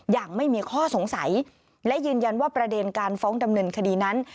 อย่างไม่มีข้อสงสัยและยืนยันว่าประเด็นการฟ้องดำเนินคดีนั้น